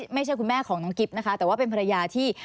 ไม่ใช่คุณแม่ของน้องกิ๊บนะคะแต่ว่าเป็นภรรยาที่